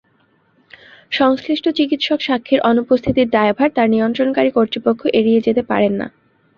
সংশ্লিষ্ট চিকিৎসক সাক্ষীর অনুপস্থিতির দায়ভার তাঁর নিয়ন্ত্রণকারী কর্তৃপক্ষ এড়িয়ে যেতে পারেন না।